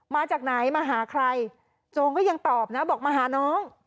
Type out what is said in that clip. มาจากไหนมาหาใครโจงก็ยังตอบนะบอกมาหาน้อง